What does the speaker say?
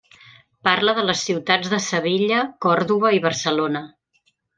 Parla de les ciutats de Sevilla, Còrdova i Barcelona.